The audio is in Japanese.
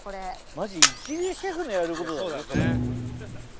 マジで一流シェフのやることだぞそれ。